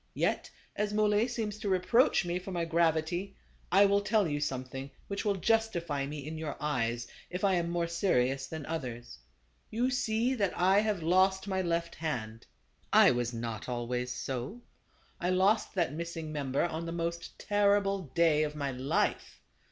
Yet as Muley seems to reproach me for my gravity, I will tell you something which will justify me in your eyes, if I am more serious than others. You see that I have lost my left hand. I was not always so ; I lost that missing member on the most terrible day of my life.